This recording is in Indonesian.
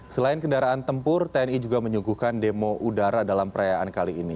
selain kendaraan tempur tni juga menyuguhkan demo udara dalam perayaan kali ini